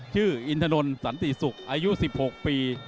อินถนนสันติศุกร์อายุ๑๖ปี